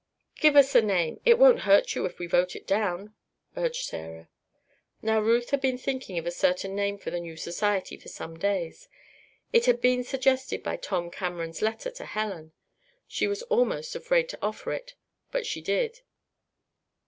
"Give us a name. It won't hurt you if we vote it down," urged Sarah. Now Ruth had been thinking of a certain name for the new society for some days. It had been suggested by Tom Cameron's letter to Helen. She was almost afraid to offer it, but she did.